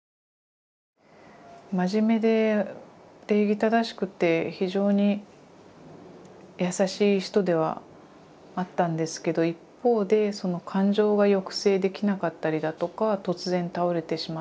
真面目で礼儀正しくて非常に優しい人ではあったんですけど一方で感情が抑制できなかったりだとか突然倒れてしまったり。